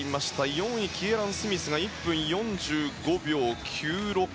４位のキエラン・スミスが１分４５秒９６。